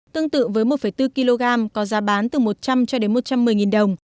tương tự với một bốn kg có giá bán từ một trăm linh cho đến một trăm một mươi đồng